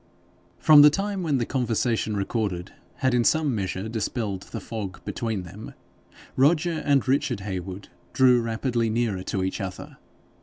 From the time when the conversation recorded had in some measure dispelled the fog between them, Roger and Richard Heywood drew rapidly nearer to each other.